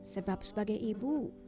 sebab sebagai ibu